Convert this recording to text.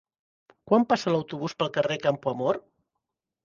Quan passa l'autobús pel carrer Campoamor?